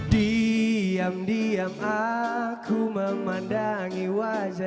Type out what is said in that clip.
kalau memberkan ist motif uci